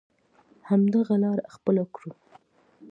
همدغه لاره خپله کړو.